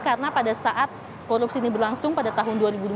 karena pada saat korupsi ini berlangsung pada tahun dua ribu lima belas